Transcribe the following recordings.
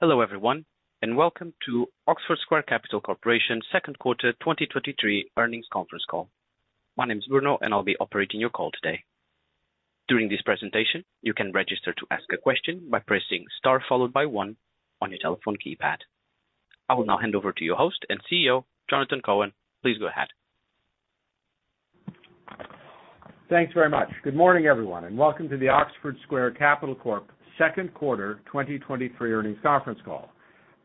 Hello, everyone, welcome to Oxford Square Capital Corporation second quarter 2023 Earnings Conference Call. My name is Bruno, and I'll be operating your call today. During this presentation, you can register to ask a question by pressing Star, followed by one on your telephone keypad. I will now hand over to your host and CEO, Jonathan Cohen. Please go ahead. Thanks very much. Good morning, everyone, and welcome to the Oxford Square Capital Corp second quarter 2023 Earnings Conference Call.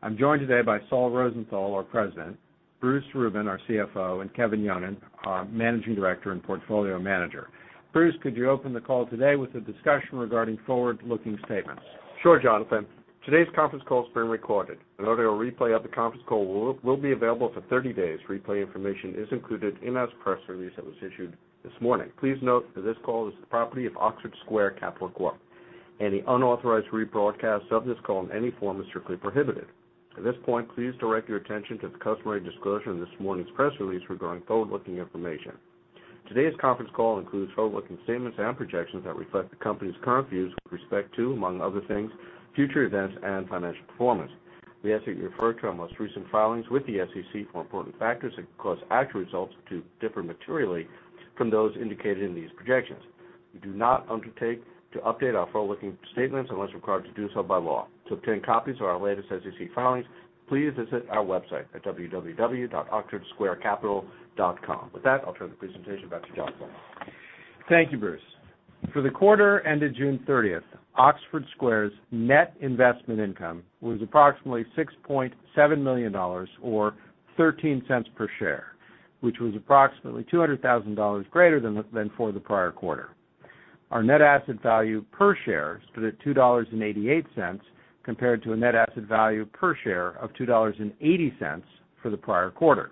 I'm joined today by Saul Rosenthal, our President, Bruce Rubin, our CFO, and Kevin Yonon, our Managing Director and Portfolio Manager. Bruce, could you open the call today with a discussion regarding forward-looking statements? Sure, Jonathan. Today's conference call is being recorded. An audio replay of the conference call will, will be available for 30 days. Replay information is included in our press release that was issued this morning. Please note that this call is the property of Oxford Square Capital Corp. Any unauthorized rebroadcast of this call in any form is strictly prohibited. At this point, please direct your attention to the customary disclosure in this morning's press release regarding forward-looking information. Today's conference call includes forward-looking statements and projections that reflect the company's current views with respect to, among other things, future events and financial performance. We ask that you refer to our most recent filings with the SEC for important factors that could cause actual results to differ materially from those indicated in these projections. We do not undertake to update our forward-looking statements unless required to do so by law. To obtain copies of our latest SEC filings, please visit our website at www.oxfordsquarecapital.com. With that, I'll turn the presentation back to Jonathan. Thank you, Bruce. For the quarter ended June 30th, Oxford Square's net investment income was approximately $6.7 million, or $0.13 per share, which was approximately $200,000 greater than for the prior quarter. Our net asset value per share stood at $2.88, compared to a net asset value per share of $2.80 for the prior quarter.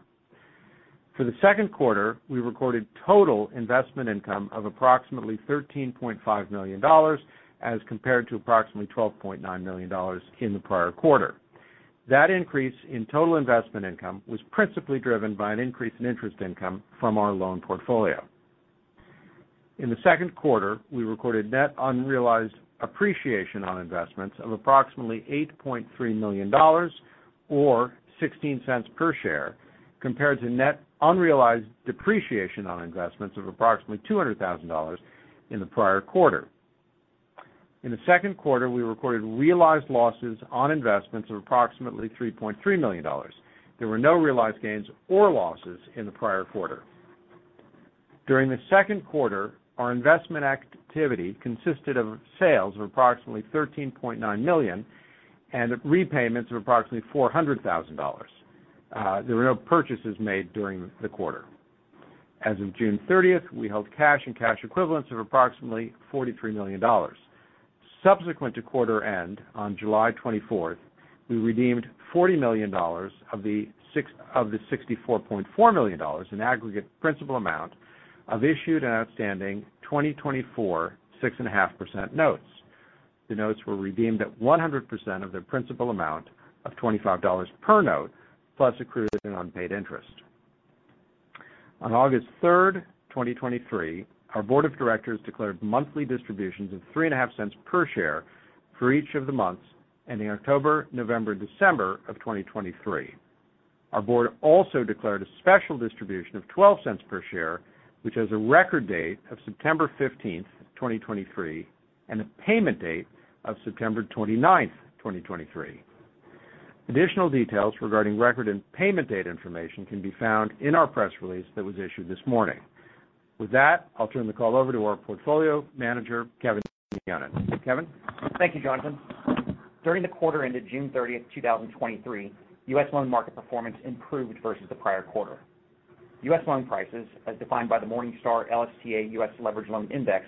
For the second quarter, we recorded total investment income of approximately $13.5 million, as compared to approximately $12.9 million in the prior quarter. That increase in total investment income was principally driven by an increase in interest income from our loan portfolio. In the second quarter, we recorded net unrealized appreciation on investments of approximately $8.3 million, or $0.16 per share, compared to net unrealized depreciation on investments of approximately $200,000 in the prior quarter. In the second quarter, we recorded realized losses on investments of approximately $3.3 million. There were no realized gains or losses in the prior quarter. During the second quarter, our investment activity consisted of sales of approximately $13.9 million and repayments of approximately $400,000. There were no purchases made during the quarter. As of June 30, we held cash and cash equivalents of approximately $43 million. Subsequent to quarter end, on July 24th, we redeemed $40 million of the $64.4 million in aggregate principal amount of issued and outstanding 2024, 6.5% notes. The notes were redeemed at 100% of their principal amount of $25 per note, plus accrued and unpaid interest. On August 3rd, 2023, our board of directors declared monthly distributions of $0.035 per share for each of the months, ending October, November, December of 2023. Our board also declared a special distribution of $0.12 per share, which has a record date of September 15th, 2023, and a payment date of September 29th, 2023. Additional details regarding record and payment date information can be found in our press release that was issued this morning. With that, I'll turn the call over to our portfolio manager, Kevin Yonan. Kevin? Thank you, Jonathan. During the quarter ended June 30, 2023, U.S. loan market performance improved versus the prior quarter. U.S. loan prices, as defined by the Morningstar LSTA U.S. Leveraged Loan Index,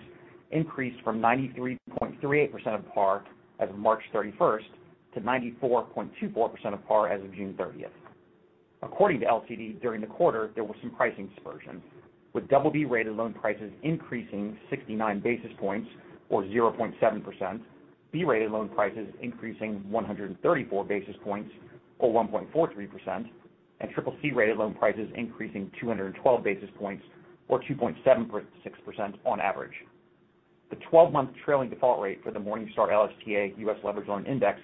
increased from 93.38% of par as of March 31 to 94.24% of par as of June 30. According to LCD, during the quarter, there was some pricing dispersion, with BB-rated loan prices increasing 69 basis points or 0.7%, B-rated loan prices increasing 134 basis points or 1.43%, and CCC-rated loan prices increasing 212 basis points or 2.76% on average. The 12-month trailing default rate for the Morningstar LSTA U.S. Leveraged Loan Index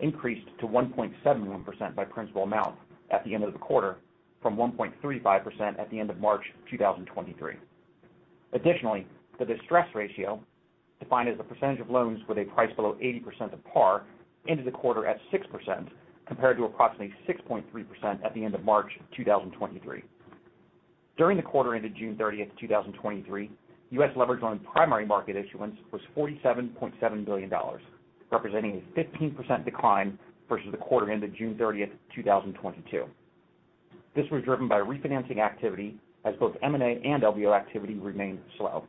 increased to 1.71% by principal amount at the end of the quarter from 1.35% at the end of March 2023. Additionally, the distress ratio, defined as the percentage of loans with a price below 80% of par, ended the quarter at 6%, compared to approximately 6.3% at the end of March 2023. During the quarter ended June 30, 2023, U.S. leverage loan primary market issuance was $47.7 billion, representing a 15% decline versus the quarter ended June 30, 2022. This was driven by refinancing activity, as both M&A and LBO activity remained slow.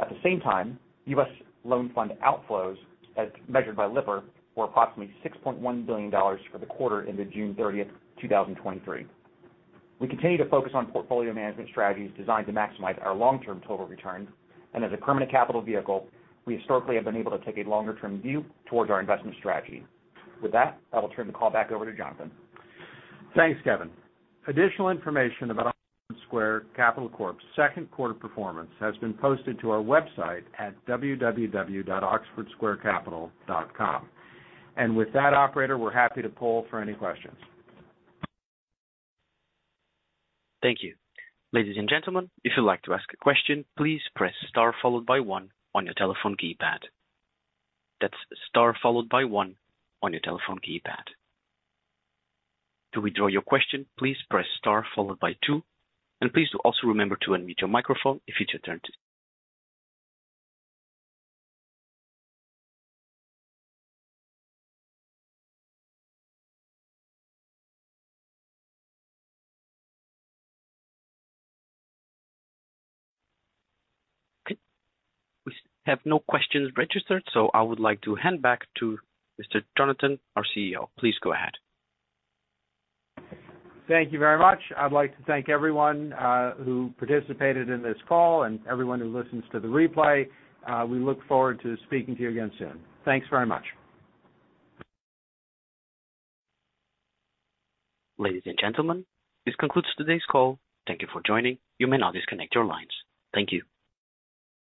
At the same time, U.S. loan fund outflows, as measured by Lipper, were approximately $6.1 billion for the quarter into June 30th, 2023. We continue to focus on portfolio management strategies designed to maximize our long-term total return, and as a permanent capital vehicle, we historically have been able to take a longer-term view towards our investment strategy. With that, I will turn the call back over to Jonathan. Thanks, Kevin. Additional information about Oxford Square Capital Corp's second quarter performance has been posted to our website at www.oxfordsquarecapital.com. With that operator, we're happy to poll for any questions. Thank you. Ladies and gentlemen, if you'd like to ask a question, please press Star followed by one on your telephone keypad. That's Star followed by one on your telephone keypad. To withdraw your question, please press Star followed by two, and please also remember to unmute your microphone if it's your turn. Okay, we have no questions registered, so I would like to hand back to Mr. Jonathan, our CEO. Please go ahead. Thank you very much. I'd like to thank everyone who participated in this call and everyone who listens to the replay. We look forward to speaking to you again soon. Thanks very much. Ladies and gentlemen, this concludes today's call. Thank you for joining. You may now disconnect your lines. Thank you.